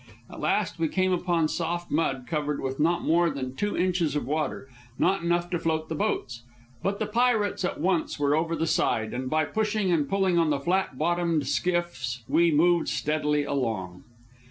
At last we came upon soft mud covered with not more than two inches of water not enough to float the boats. But the pirates at once were over the side, and by pushing and pulling on the flat bottomed skiffs, we moved steadily along.